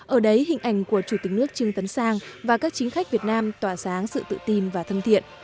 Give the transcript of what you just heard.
ở đấy hình ảnh của chủ tịch nước trương tấn sang và các chính khách việt nam tỏa sáng sự tự tin và thân thiện